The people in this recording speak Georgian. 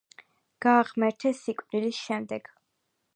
გააღმერთეს სიკვდილის შემდეგ.